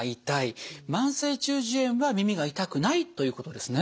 慢性中耳炎は耳が痛くないということですね。